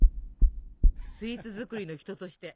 スイーツ作りの人として。